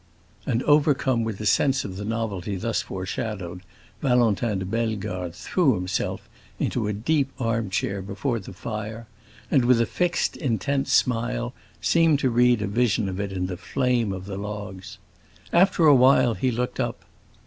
And overcome with a sense of the novelty thus foreshadowed, Valentin de Bellegarde threw himself into a deep armchair before the fire, and, with a fixed, intense smile, seemed to read a vision of it in the flame of the logs. After a while he looked up.